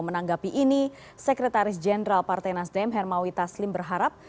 menanggapi ini sekretaris jenderal partai nasdem hermawi taslim berharap